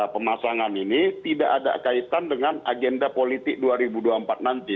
pemasangan ini tidak ada kaitan dengan agenda politik dua ribu dua puluh empat nanti